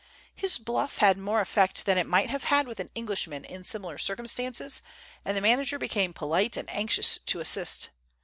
His bluff had more effect that it might have had with an Englishman in similar circumstances, and the manager became polite and anxious to assist.